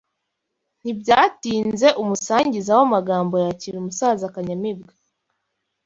Ntibyatinze umusangiza w’amagambo yakira umusaza Kanyamibwa